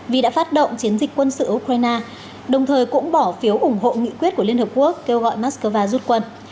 vì đã phát động chiến dịch quân sự ukraine đồng thời cũng bỏ phiếu ủng hộ nghị quyết của liên hợp quốc kêu gọi moscow rút quân